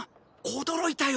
驚いたよ。